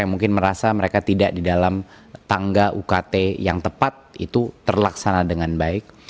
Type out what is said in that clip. yang mungkin merasa mereka tidak di dalam tangga ukt yang tepat itu terlaksana dengan baik